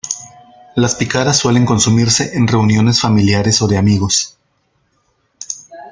Las picadas suelen consumirse en reuniones familiares o de amigos.